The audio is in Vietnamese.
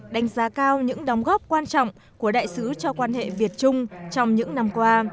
đánh giá cao những đóng góp quan trọng của đại sứ cho quan hệ việt trung trong những năm qua